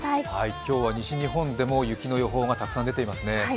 今日は西日本でも、雪の予報がたくさん出ていますね。